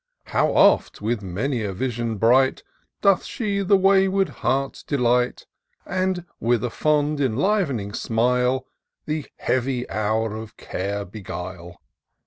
How oft, with many a vision bright, Doth she the wayward heart deUght ; And, with a fond enliv'ning smile. The heavy hour of care beguile